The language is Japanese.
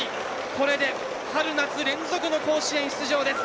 これで初夏連続の甲子園出場です。